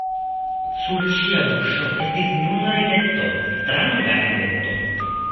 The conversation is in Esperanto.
Sur ŝia buŝo estis nun rideto, stranga rideto!